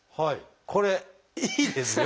これいいですよ。